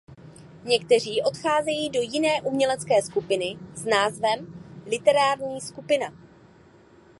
Někteří odcházejí do jiné umělecké skupiny s názvem Literární skupina.